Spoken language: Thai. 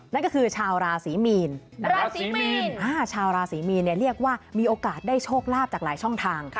นั่นก็คือชาวราศีมีนราศีมีนชาวราศีมีนเรียกว่ามีโอกาสได้โชคลาภจากหลายช่องทาง